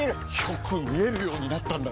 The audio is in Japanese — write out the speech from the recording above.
よく見えるようになったんだね！